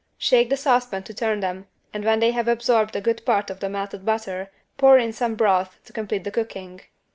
Shake the saucepan to turn them and when they have absorbed a good part of the melted butter, pour in some broth to complete the cooking.